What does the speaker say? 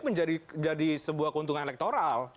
menjadi sebuah keuntungan elektoral